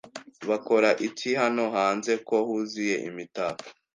Bakora iki hano hanze ko huzuye imitako?